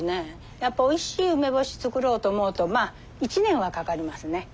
やっぱおいしい梅干し作ろうと思うとまあ１年はかかりますね。